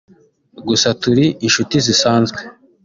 gusa turi inshuti zisanzwe